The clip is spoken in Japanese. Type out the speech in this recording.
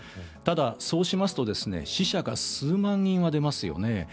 ただ、そうしますと死者が数万人は出ますよね。